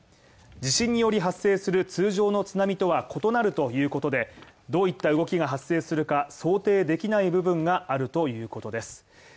地震により発生する通常の津波とは異なるということで、どういった動きが発生するか想定できない部分があるということです。